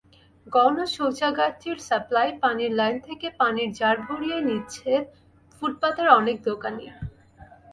গণশৌচাগারটির supply পানির line থেকে পানির জার ভরিয়ে নিচ্ছেন ফুটপাতের অনেক দোকানি।